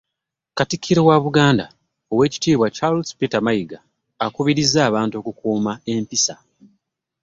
Katikkiro wa Buganda, Oweekitiibwa Charles Peter Mayiga, akubirizza abantu okukuuma empisa